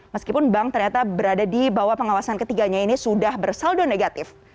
meskipun bank ternyata berada di bawah pengawasan ketiganya ini sudah bersaldo negatif